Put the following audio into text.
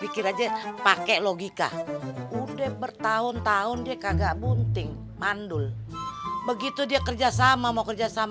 pikir aja pakai logika udah bertahun tahun dia kagak bunting mandul begitu dia kerjasama mau kerjasama